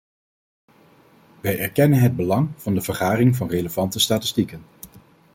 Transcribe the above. Wij erkennen het belang van de vergaring van relevante statistieken.